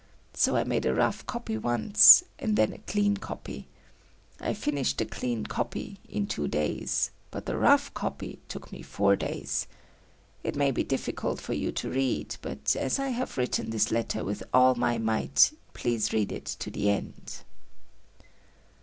So I made a rough copy once, and then a clean copy. I finished the clean copy, in two days, but the rough copy took me four days. It may be difficult for you to read, but as I have written this letter with all my might, please read it to the end."